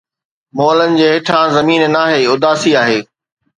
مئلن جي هيٺان زمين ناهي، اداسي آهي